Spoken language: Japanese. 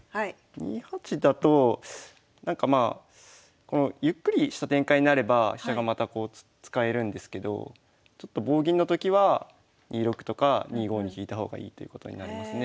２八だとなんかまあゆっくりした展開になれば飛車がまたこう使えるんですけどちょっと棒銀のときは２六とか２五に引いた方がいいということになりますね。